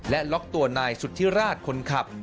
และล็อกตัวนายสุธิราชคนขับ